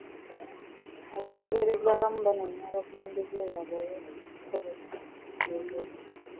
Abagoberezi abamu banenya abakulembeze baabwe olw'okukozesa ensimbi obubi.